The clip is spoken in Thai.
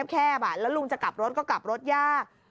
แคบแล้วลุงจะกลับรถก็กลับรถยาก